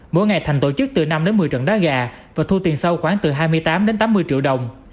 mỗi ngày thành tổ chức từ năm đến một mươi trận đá gà và thu tiền sâu khoảng từ hai mươi tám đến tám mươi triệu đồng